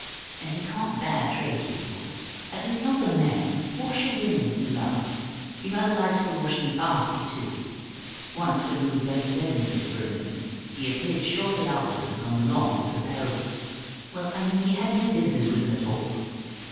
And he can't bear tradespeople; at least not the men. Washer women he loves. He rather likes the washing basket too. Once, when he was left alone with it for a moment, he appeared shortly afterwards on the lawn with a pair of well, I mean he had no business with them at all.